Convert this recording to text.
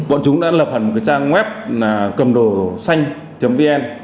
bọn chúng đã lập hẳn một cái trang web là cầm đồ xanh vn